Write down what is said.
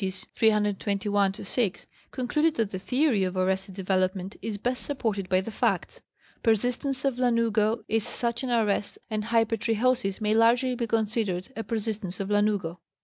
321 6) concluded that the theory of arrested development is best supported by the facts; persistence of lanugo is such an arrest, and hypertrichosis may largely be considered a persistence of lanugo.